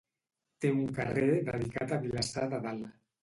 Té un carrer dedicat a Vilassar de Dalt.